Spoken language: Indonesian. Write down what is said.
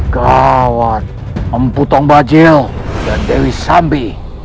gawat empu tong bajil dan dewi sambi